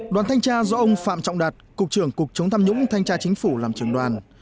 đoàn thanh tra do ông phạm trọng đạt cục trưởng cục chống tham nhũng thanh tra chính phủ làm trưởng đoàn